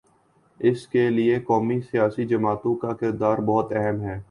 اس کے لیے قومی سیاسی جماعتوں کا کردار بہت اہم ہے۔